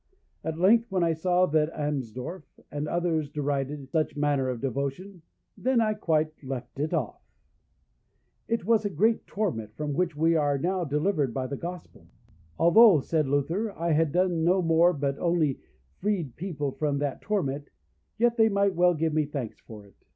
At length, when I saw that Amsdorff and others derided such manner of devotion, then I quite left it off. It was a great torment, from which we are now delivered by the Gospel. Although, said Luther, I had done no more but only freed people from that torment, yet they might well give me thanks for it.